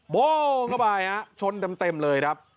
โบ้เข้าไปชนเต็มเลยครับ